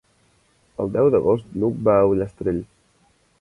El deu d'agost n'Hug va a Ullastrell.